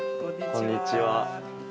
こんにちは。